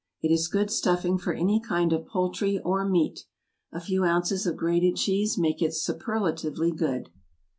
It is good stuffing for any kind of poultry or meat. A few ounces of grated cheese make it superlatively good.